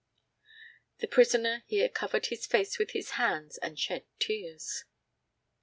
[The prisoner here covered his face with his hands and shed tears.